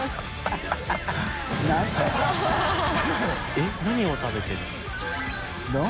えっ何を食べてる？